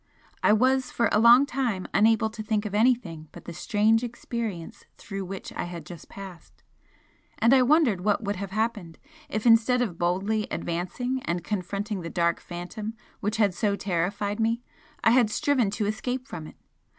I was for a long time unable to think of anything but the strange experience through which I had just passed and I wondered what would have happened if instead of boldly advancing and confronting the dark Phantom which had so terrified me I had striven to escape from it?